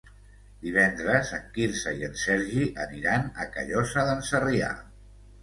Divendres en Quirze i en Sergi aniran a Callosa d'en Sarrià.